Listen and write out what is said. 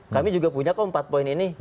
kami juga punya kok empat poin ini